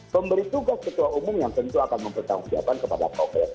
pemberi tugas ketua umum yang tentu akan mempertanggung jawaban kepada ketua umum